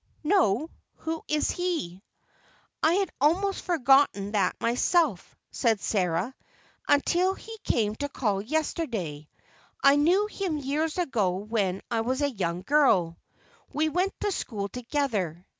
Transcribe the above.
"No, who is he?" "I had almost forgotten that myself," said Sarah, "until he came to call yesterday. I knew him years ago when I was a young girl; we went to school together.